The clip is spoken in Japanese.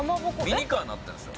ミニカーになってるんですよ